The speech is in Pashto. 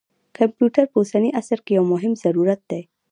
کمپیوټر په اوسني عصر کې یو مهم ضرورت دی.